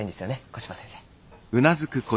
小柴先生。